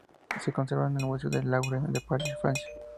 Se conserva en el Museo del Louvre de París, Francia.